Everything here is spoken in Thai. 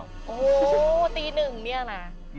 โอ้วตีหนึ่งเนี่ยแหละ